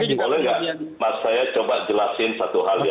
tapi boleh nggak mas saya coba jelasin satu hal ya